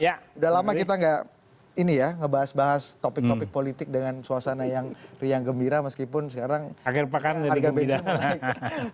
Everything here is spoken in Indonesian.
sudah lama kita gak ini ya ngebahas bahas topik topik politik dengan suasana yang riang gembira meskipun sekarang harga beda